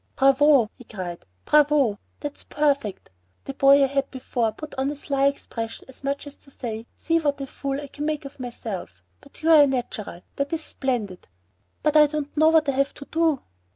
"Bravo!" he cried, "bravo! that's perfect. The boy I had before put on a sly expression as much as to say, 'See what a fool I can make of myself'; you are natural; that is splendid." "But I don't know what I have to do."